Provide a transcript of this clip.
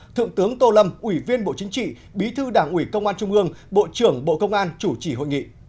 thượng tướng tô lâm ủy viên bộ chính trị bí thư đảng ủy công an trung ương bộ trưởng bộ công an chủ trì hội nghị